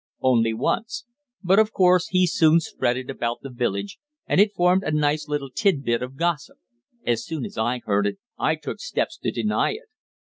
"Only once. But, of course, he soon spread it about the village, and it formed a nice little tit bit of gossip. As soon as I heard it I took steps to deny it."